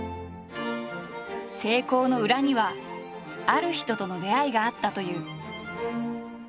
成功の裏にはある人との出会いがあったという。